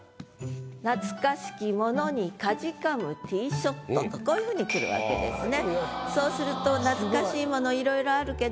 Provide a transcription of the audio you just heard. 「懐かしきものに悴むティショット」とこういうふうにくるわけですね。